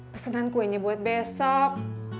pesenan kuenya buat besok